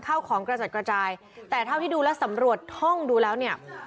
เข้าของกระจัดกระจายแต่เท่าที่ดูแล้วสำรวจท่องดูแล้วเนี่ย